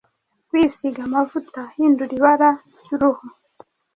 kwisiga amavuta ahindura ibara ry’ uruhu,